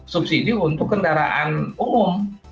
subsidi untuk kendaraan umum